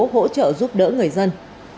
hỗ trợ giúp đỡ người dân